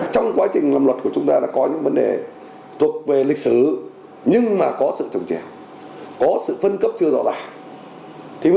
trong quá trình làm luật của chúng ta đã có những vấn đề thuộc về lịch sử nhưng mà có sự trồng chéo có sự phân cấp chưa rõ ràng